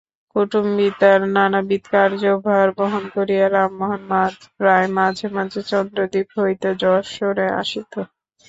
কুটুম্বিতার নানাবিধ কার্যভার বহন করিয়া রামমোহন প্রায় মাঝে মাঝে চন্দ্রদ্বীপ হইতে যশোহরে আসিত।